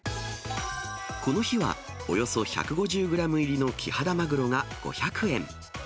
この日は、およそ１５０グラム入りのキハダマグロが５００円。